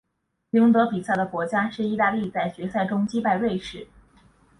赢得比赛的国家是意大利在决赛中击败瑞士。